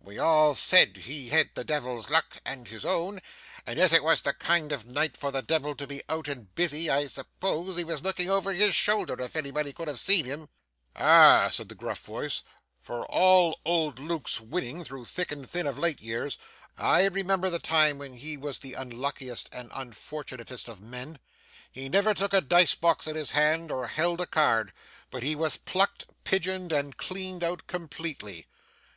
We all said he had the Devil's luck and his own, and as it was the kind of night for the Devil to be out and busy, I suppose he was looking over his shoulder, if anybody could have seen him.' 'Ah!' returned the gruff voice; 'for all old Luke's winning through thick and thin of late years, I remember the time when he was the unluckiest and unfortunatest of men. He never took a dice box in his hand, or held a card, but he was plucked, pigeoned, and cleaned out completely.